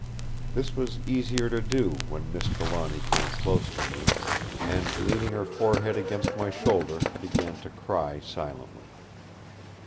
This was easier to do when Miss Trelawny came close to me, and, leaning her forehead against my shoulder, began to cry silently.